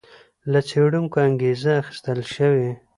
له څېړونکو انګېزه اخیستل شوې.